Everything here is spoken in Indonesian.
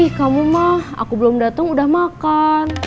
i kamu mah aku belum datang udah makan